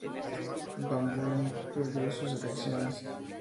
Van Buren perdió las elecciones.